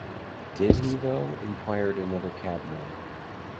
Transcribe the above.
‘Did he though?’ inquired another cabman.